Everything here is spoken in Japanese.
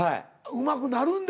うまくなるんだ。